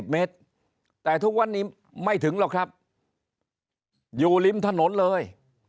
เมตรแต่ทุกวันนี้ไม่ถึงหรอกครับอยู่ริมถนนเลย